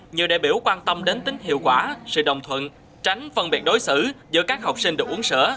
nhiều đại biểu quan tâm đến tính hiệu quả sự đồng thuận tránh phân biệt đối xử giữa các học sinh được uống sữa